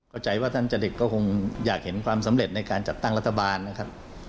เข้าใจว่าท่านจริตก็คงอยากเห็นความสำเร็จในการจัดตั้งรัฐบาลนะครับ